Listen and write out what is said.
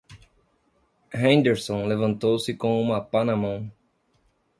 Henderson levantou-se com uma pá na mão.